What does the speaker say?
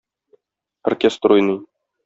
Оркестр уйный.